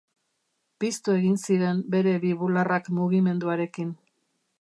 Puztu egin ziren bere bi bularrak mugimenduarekin.